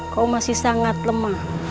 kau masih sangat lemah